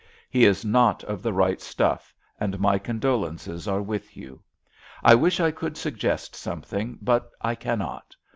He is not of the right stuff, and my condolences are with you. I wish I could suggest something, but I cannot.